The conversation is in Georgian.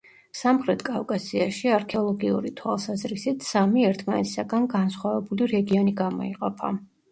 სამხრეთ კავკასიაში, არქეოლოგიური თვალსაზრისით, სამი ერთმანეთისაგან განსხვავებული რეგიონი გამოიყოფა.